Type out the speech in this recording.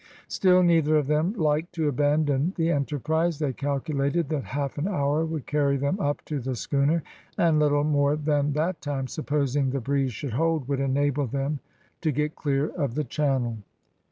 Still neither of them liked to abandon the enterprise, they calculated that half an hour would carry them up to the schooner, and little more than that time, supposing the breeze should hold, would enable them to get clear of the channel.